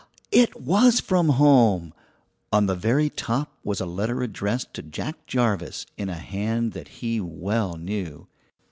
It was from home! On the very top was a letter addressed to Jack Jarvis in a hand that he well knew.